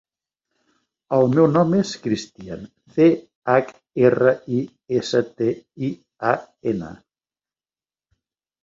El meu nom és Christian: ce, hac, erra, i, essa, te, i, a, ena.